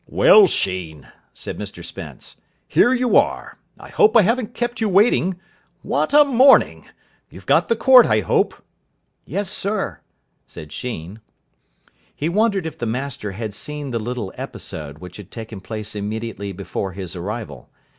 "Well, Sheen," said Mr Spence, "here you are. I hope I haven't kept you waiting. What a morning! You've got the court, I hope?" "Yes, sir," said Sheen. He wondered if the master had seen the little episode which had taken place immediately before his arrival.